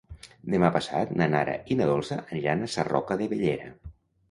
Demà passat na Nara i na Dolça aniran a Sarroca de Bellera.